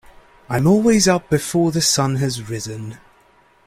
I'm always up before the sun has risen.